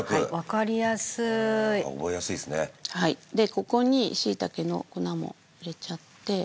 ここに椎茸の粉も入れちゃって。